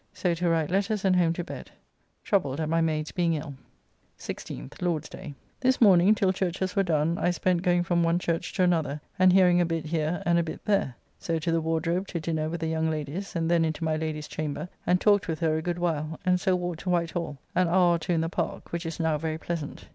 So to write letters and home to bed. Troubled at my maid's being ill. 16th (Lord's day). This morning, till churches were done, I spent going from one church to another and hearing a bit here and a bit there. So to the Wardrobe to dinner with the young Ladies, and then into my Lady's chamber and talked with her a good while, and so walked to White Hall, an hour or two in the Park, which is now very pleasant.